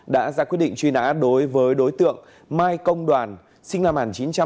đã ra quyết định truy nã đối với đối tượng mai công đoàn sinh năm một nghìn chín trăm tám mươi